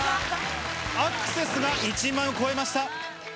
アクセスが１万を超えました。